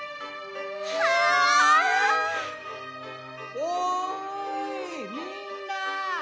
おいみんな！